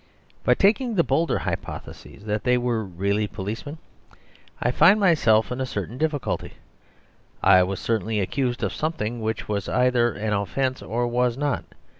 But taking the bolder hypothesis, that they really were policemen, I find myself in a certain difficulty. I was certainly accused of something which was either an offence or was not.